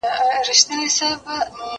ورمعلومي وې طالع د انسانانو